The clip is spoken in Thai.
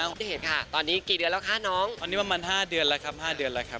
โอเคค่ะตอนนี้กี่เดือนแล้วคะน้องตอนนี้ประมาณ๕เดือนแล้วครับ๕เดือนแล้วครับ